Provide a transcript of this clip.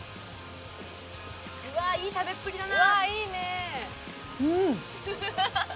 うわ、いい食べっぷりだな。